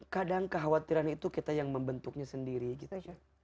kadang kekhawatiran itu kita yang membentuknya sendiri gitu